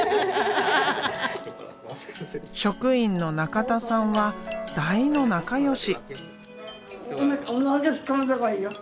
職員の中田さんは大の仲よし。